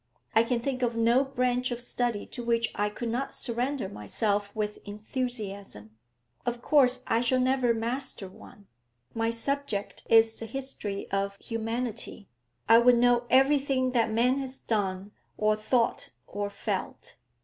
I can think of no branch of study to which I could not surrender myself with enthusiasm; of course I shall never master one. My subject is the history of humanity; I would know everything that man has done or thought or felt.